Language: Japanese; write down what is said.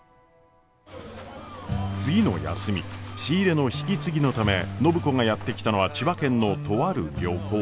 次の休み仕入れの引き継ぎのため暢子がやって来たのは千葉県のとある漁港。